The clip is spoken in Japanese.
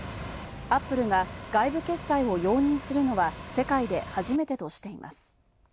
アップルが外部決済を容認するのは世界で初めてとしています。